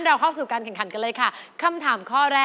อยู่ทางด้านโน้นค่ะ